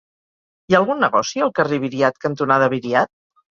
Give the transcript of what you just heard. Hi ha algun negoci al carrer Viriat cantonada Viriat?